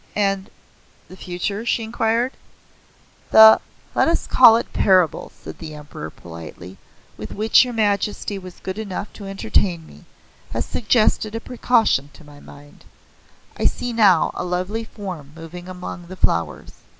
"And the future?" she inquired. "The let us call it parable " said the Emperor politely "with which your Majesty was good enough to entertain me, has suggested a precaution to my mind. I see now a lovely form moving among the flowers.